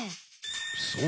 そう。